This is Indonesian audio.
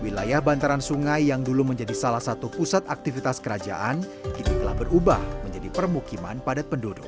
wilayah bantaran sungai yang dulu menjadi salah satu pusat aktivitas kerajaan kini telah berubah menjadi permukiman padat penduduk